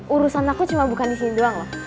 urusan aku cuma bukan di sini doang loh